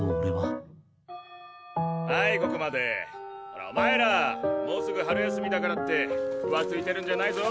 ほらお前らもうすぐ春休みだからって浮ついてるんじゃないぞ。